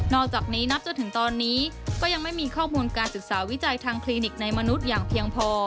อกจากนี้นับจนถึงตอนนี้ก็ยังไม่มีข้อมูลการศึกษาวิจัยทางคลินิกในมนุษย์อย่างเพียงพอ